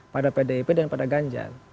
pada pdip dan pada ganjar